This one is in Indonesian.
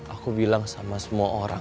aku bilang sama semua orang